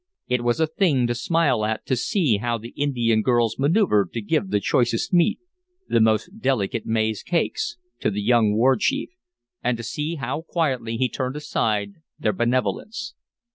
It was a thing to smile at to see how the Indian girls manoeuvred to give the choicest meat, the most delicate maize cakes, to the young war chief, and to see how quietly he turned aside their benevolence.